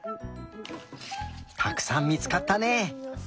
たくさん見つかったね！